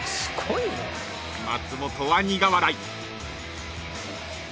［松本は苦笑い］